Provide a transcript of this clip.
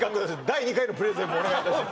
第２回のプレゼンもお願いいたします